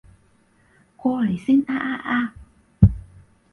過嚟先啊啊啊